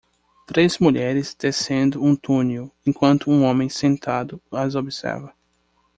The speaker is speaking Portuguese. Três mulheres descendo um túnel enquanto um homem sentado as observa.